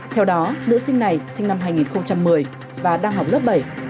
theo đó nữ sinh này sinh năm hai nghìn một mươi và đang học lớp bảy